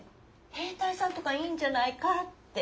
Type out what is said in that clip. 兵隊さんとかいいんじゃないかって。